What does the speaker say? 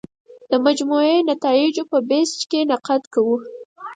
د مجموعي نتایجو په بیسج کې نقد کوو.